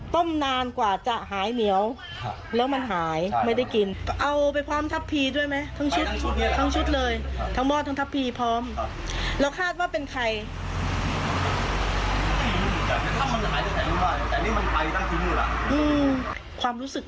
แต่ว่าเราจะเป็นใคร